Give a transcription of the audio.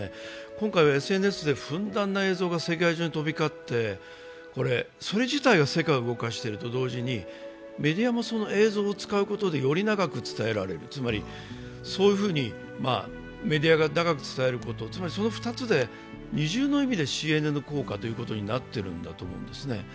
今回、ＳＮＳでふんだんな映像が世界中に飛び交ってそれ自体が世界を動かしていると同時に、メディアもその映像を使うことでより長く伝えられる、つまり、そういうふうにメディアが長く伝えること、つまりその２つで二重の意味でＣＮＮ効果ということになっているんだと思うんですね。